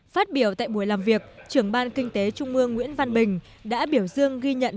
phát biểu tại buổi làm việc trưởng ban kinh tế trung ương nguyễn văn bình đã biểu dương ghi nhận